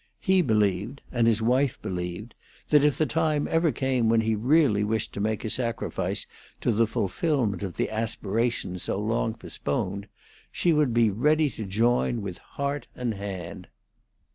He believed, and his wife believed, that if the time ever came when he really wished to make a sacrifice to the fulfilment of the aspirations so long postponed, she would be ready to join with heart and hand.